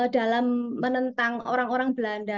dalam menentang orang orang belanda